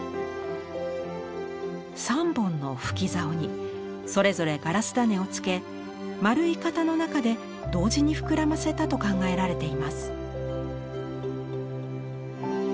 ３本の吹きざおにそれぞれガラス種をつけ丸い型の中で同時に膨らませたと考えられています。